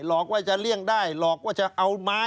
อกว่าจะเลี่ยงได้หลอกว่าจะเอาไม้